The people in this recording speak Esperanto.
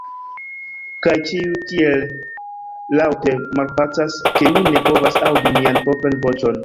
Kaj ĉiuj tiel laŭte malpacas, ke mi ne povas aŭdi mian propran voĉon.